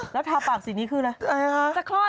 แล้วทาปากสีนี้คืออะไรคะ